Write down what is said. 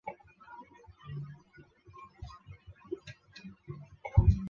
蟋蟀式自走炮为德国在第二次世界大战时所使用的一款自走炮。